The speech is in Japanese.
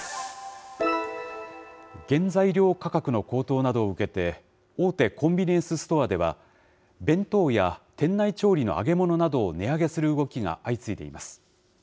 原材料価格の高騰などを受けて、大手コンビニエンスストアでは、弁当や店内調理の揚げ物などを値上げする動きが相次いでいます。